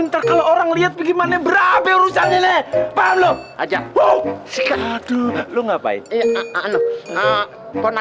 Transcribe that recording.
entar kalau orang lihat gimana berapa urusan ini paham lo aja oh sikat lu ngapain iya